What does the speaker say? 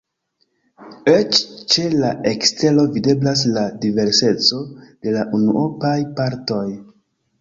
Eĉ ĉe la ekstero videblas la diverseco de la unuopaj partoj.